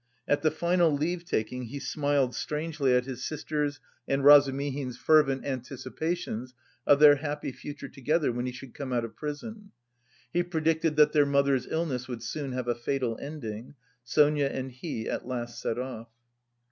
At the final leave taking he smiled strangely at his sister's and Razumihin's fervent anticipations of their happy future together when he should come out of prison. He predicted that their mother's illness would soon have a fatal ending. Sonia and he at last set off.